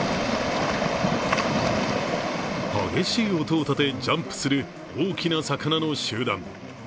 激しい音を立て、ジャンプする大きな魚の集団。